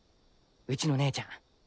うちの姉ちゃん。